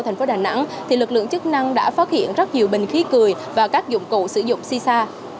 thành phố đà nẵng lực lượng chức năng đã phát hiện rất nhiều bình khí cười và các dụng cụ sử dụng si sa